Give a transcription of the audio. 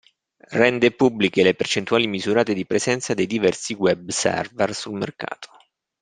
Rende pubbliche le percentuali misurate di presenza dei diversi web server sul mercato.